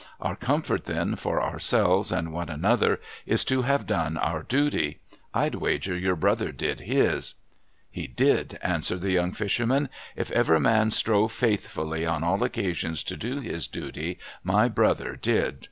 Our comfort, then, for ourselves and one another is to have done our duty. Fd wager your brother did his !' 'He did !' answered the young fisherman. ' If ever man strove faithfully on all occasions to do his duty, my brother did.